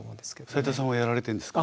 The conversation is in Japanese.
斉田さんはやられてるんですか？